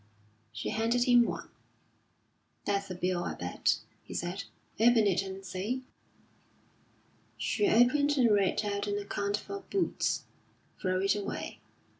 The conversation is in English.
She handed him one. "That's a bill, I bet," he said. "Open it and see." She opened and read out an account for boots. "Throw it away."